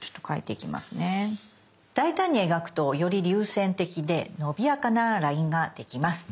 大胆に描くとより流線的でのびやかなラインができます。